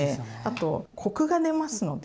あとコクが出ますので。